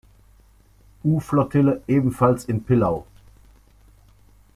U-Flottille ebenfalls in Pillau.